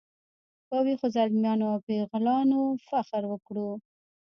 په ویښو زلمیانو او پیغلانو فخر وکړو.